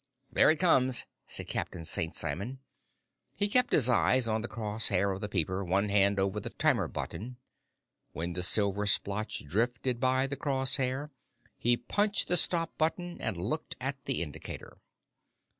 "There it comes," said Captain St. Simon. He kept his eyes on the crosshair of the peeper, one hand over the timer button. When the silver splotch drifted by the crosshair, he punched the stop button and looked at the indicator.